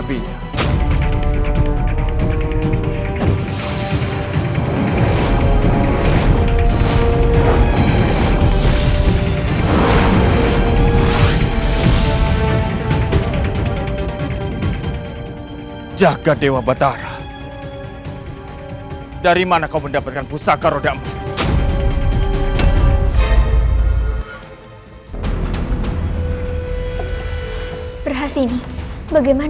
sepertinya cahaya matahari telah membutakan penglihatannya paman